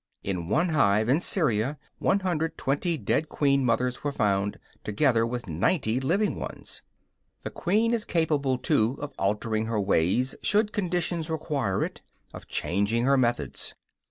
In one hive in Syria 120 dead queen mothers were found, together with ninety living ones. The bee is capable, too, of altering her ways, should conditions require it; of changing her methods.